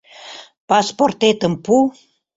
Паспортетым пу